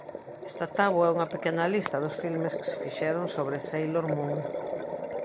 Esta táboa é unha pequena lista dos filmes que se fixeron sobre Sailor Moon.